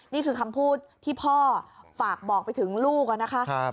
นี่คือคำพูดที่พ่อฝากบอกไปถึงลูกนะคะ